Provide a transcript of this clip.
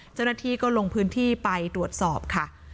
เจ้าหน้าที่ก็ลงพื้นที่ไปตรวจสอบค่ะ